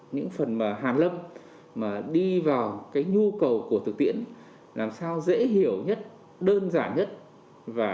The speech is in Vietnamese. những phần hàn lâm mà đi vào cái nhu cầu của thực tiễn làm sao dễ hiểu nhất đơn giản nhất và